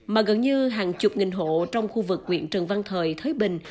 mà gần như hàng chục nghìn hộ trong khu vực quyện trần văn thời thới bình